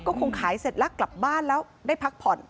ก็คงขายเสร็จแล้วกลับบ้านแล้วได้พักผ่อน